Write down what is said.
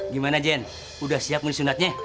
gimana jen udah siap mulai sunatnya